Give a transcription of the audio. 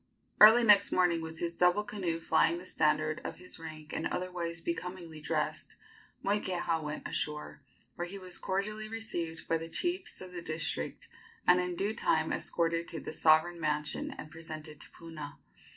Early next morning, with his double canoe flying the standard of his rank and otherwise becomingly dressed, Moikeha went ashore, where he was cordially received by the chiefs of the district, and in due time escorted to the sovereign mansion and presented to Puna.